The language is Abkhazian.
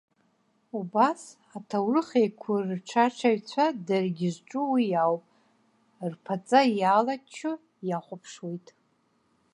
Убас, аҭоурыхеиқәырҽаҽаҩцәа даргьы зҿу уи ауп, рԥаҵа иалаччо иахәаԥшуеит.